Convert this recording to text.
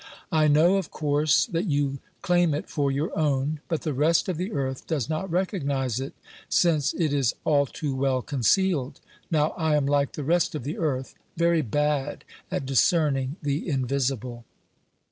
I know, of course, that you claim it for your own, but the rest of the earth does not recognise it, since it is all too well concealed. Now, I am like the rest of the earth, very bad at discerning the invisible.